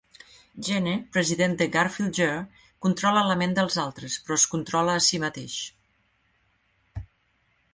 Jenner, president de Garfield Gear, controla la ment dels altres, però es controla a si mateix.